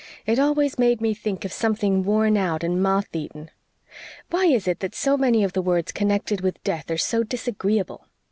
It always made me think of something worn out and moth eaten. Why is it that so many of the words connected with death are so disagreeable?